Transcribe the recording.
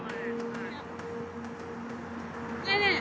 ねえねえ！